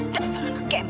terserah anak kempel